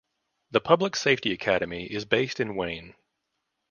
The Public Safety Academy is based in Wayne.